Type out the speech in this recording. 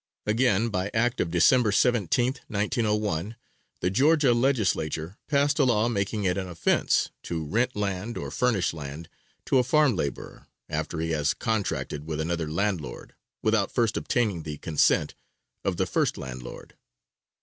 Again, by act of December 17th, 1901, the Georgia Legislature passed a law making it an offense to rent land, or furnish land to a farm laborer, after he has contracted with another landlord, without first obtaining the consent of the first landlord.